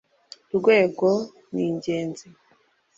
Rwego rw’ Ingenzi